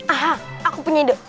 aha aku penyedot